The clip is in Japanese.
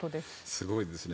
すごいですね。